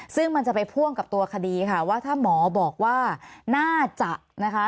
ซึ่งมันจะไปพ่วงกับตัวคดีค่ะว่าถ้าหมอบอกว่าน่าจะนะคะ